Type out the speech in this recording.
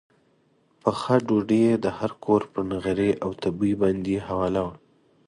پخه ډوډۍ یې د هر کور پر نغري او تبۍ باندې حواله وه.